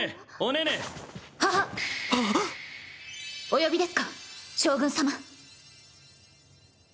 お呼びですか将軍様。